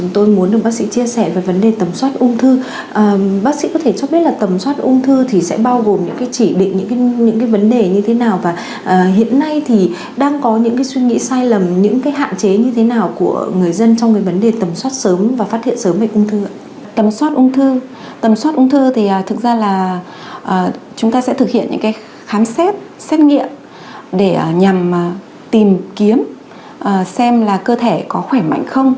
tầm soát ung thư thì thực ra là chúng ta sẽ thực hiện những khám xét xét nghiệm để nhằm tìm kiếm xem là cơ thể có khỏe mạnh không